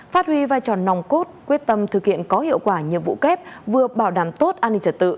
phát huy vai trò nòng cốt quyết tâm thực hiện có hiệu quả nhiệm vụ kép vừa bảo đảm tốt an ninh trật tự